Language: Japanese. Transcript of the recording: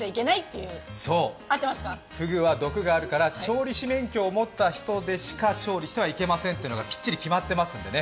そう、フグは毒があるから調理師免許を持っている人しか調理してはいけませんというのがきっちり決まってますのでね。